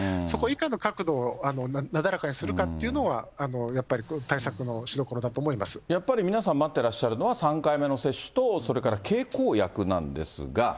そこいかに角度をなだらかにするかっていうのが、やっぱり対策のやっぱり皆さん待ってらっしゃるのは３回目の接種と、それから経口薬なんですが。